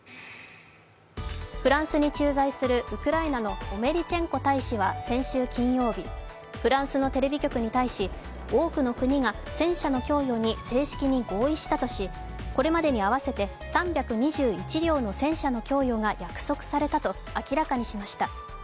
フランスに駐在するウクライナのオメリチェンコ大使は先週金曜日フランスのテレビ局に対し多くの国が戦車の供与に正式に合意したとし、これまでに合わせて３２１両の戦車の供与が約束されたと明らかにしました。